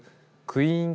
クイーン